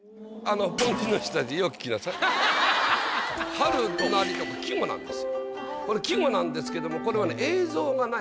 「春隣」季語なんです。